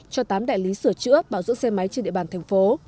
cho tám đại lý sửa chữa bảo dưỡng xe máy trên địa bàn thành phố